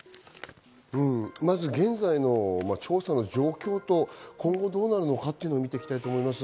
現在の調査の状況と今後どうなるのかっていうのを見ていきたいと思います。